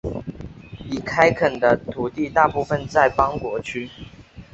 已开垦的土地大部分在邦果区。